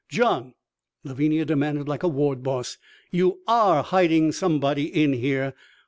"John," Lavinia demanded like a ward boss, "you are hiding some_body_ in here!